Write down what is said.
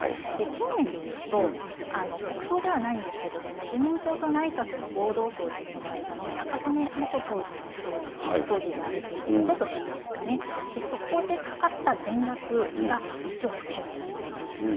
近年でいうと、国葬ではないんですけれども、自民党と内閣の合同葬で行われたのは中曽根元総理の葬儀がおととしですかね、そこでかかった全額が、１億９０００万円です。